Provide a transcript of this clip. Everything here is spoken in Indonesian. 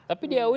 tapi di aulia